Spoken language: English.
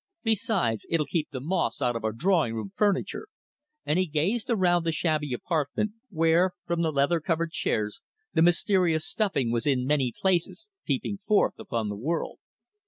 Besides, it'll keep the moths out of our drawing room furniture," and he gazed around the shabby apartment, where, from the leather covered chairs, the mysterious stuffing was in many places peeping forth upon the world.